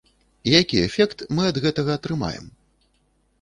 Які эфект мы ад гэтага атрымаем?